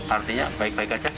artinya baik baik saja